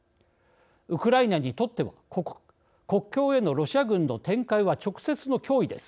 ウクライナにとっては国境へのロシア軍の展開は直接の脅威です。